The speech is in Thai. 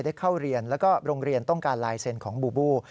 เข้าเรียนแล้วก็โรงเรียนต้องการลายเซ็นต์ของบูบู